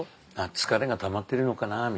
「疲れがたまってるのかなあ」